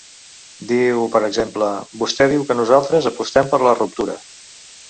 Diu, per exemple: Vostè diu que nosaltres apostem per la ruptura.